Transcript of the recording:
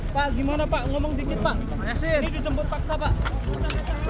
hai pagi mana pak ngomong dikit pak ini dijemput paksa pak